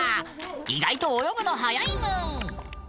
意外と泳ぐの速いぬん！